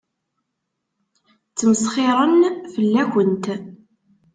Ttmesxiṛen fell-akent.